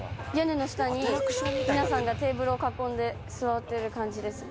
皆さんがテーブルを囲んで座ってる感じです。